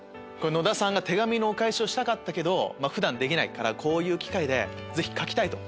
野田さんが「手紙のお返しをしたかったけど普段できないからこういう機会でぜひ書きたい」と。